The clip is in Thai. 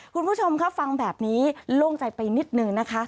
คุณผู้ชมคะฟังแบบนี้โล่งใจไปนิดนึงนะคะ